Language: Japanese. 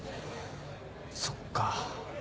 そっか。